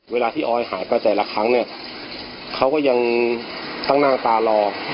เวลาที่ออยหายไปแต่ละครั้งเนี่ยเขาก็ยังช่างหน้าตารอ